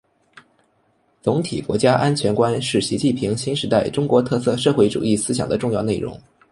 总体国家安全观是习近平新时代中国特色社会主义思想的重要内容